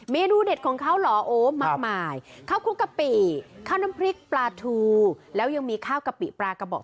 เมนูเด็ดของเขาเหรอโอ้มากมายข้าวคลุกกะปิข้าวน้ำพริกปลาทูแล้วยังมีข้าวกะปิปลากระบอก